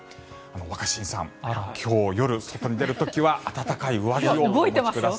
若新さん、今日夜外に出る時は暖かい上着をお持ちください。